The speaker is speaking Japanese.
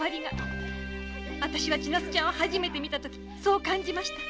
私は千奈津ちゃんを初めて見たときそう感じました。